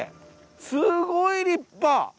すごい立派！